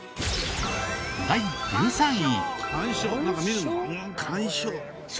第１３位。